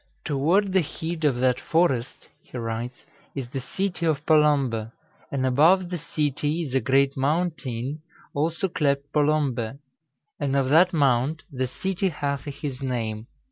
"Toward the heed of that forest (he writes) is the cytee of Polombe, and above the cytee is a great mountayne, also clept Polombe. And of that mount, the Cytee hathe his name.